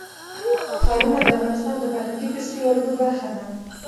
ښارونه د افغانستان د فرهنګي فستیوالونو برخه ده.